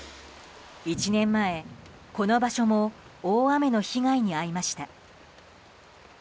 １年前、この場所も大雨の被害に遭いました。